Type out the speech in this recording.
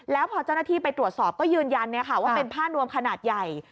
แล้วพอเจ้าหน้าที่ไปตรวจสอบก็ยืนยันว่าเป็นผ้านวมขนาดใหญ่